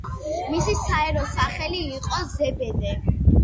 მისი საერო სახელი იყო ზებედე.